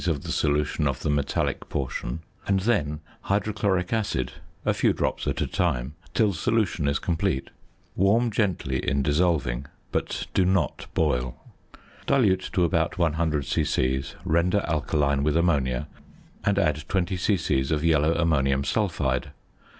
of the solution of the metallic portion and then hydrochloric acid (a few drops at a time) till solution is complete. Warm gently in dissolving, but do not boil. Dilute to about 100 c.c., render alkaline with ammonia, and add 20 c.c. of yellow ammonium sulphide.